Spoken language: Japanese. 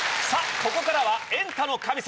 ここからは『エンタの神様』。